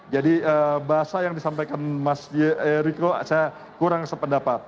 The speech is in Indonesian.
jadi bahasa yang disampaikan mas erko saya kurang sependapat